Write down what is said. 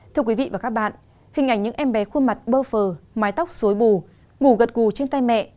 thưa quý vị và các bạn hình ảnh những em bé khuôn mặt bơ phờ mái tóc suối bù ngủ gật cù trên tay mẹ